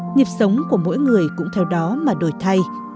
nghiệp sống của mỗi người cũng theo đó mà đổi thay